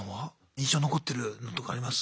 印象に残ってるのとかあります？